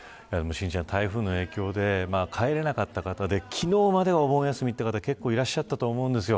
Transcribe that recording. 台風の影響で帰れなかった方で昨日までお盆休みという方が結構いらっしゃったと思うんですよ。